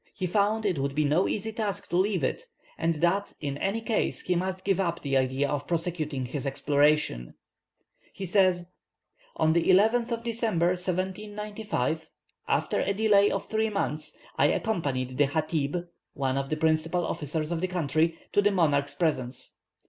He found it would be no easy task to leave it, and that in any case he must give up the idea of prosecuting his exploration; he says, "On the 11th of December, 1795, (after a delay of three months) I accompanied the chatib (one of the principal officers of the country) to the monarch's presence.